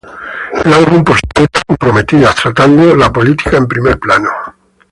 El álbum posee letras comprometidas, tratando la política en primer plano.